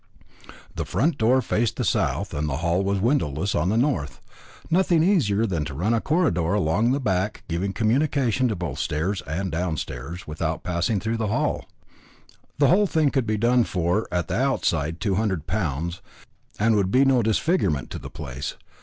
The front door faced the south, and the hall was windowless on the north. Nothing easier than to run a corridor along at the back, giving communication both upstairs and downstairs, without passing through the hall. The whole thing could be done for, at the outside, two hundred pounds, and would be no disfigurement to the place.